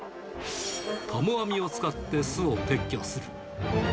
たも網を使って巣を撤去する。